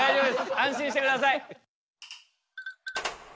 安心してください。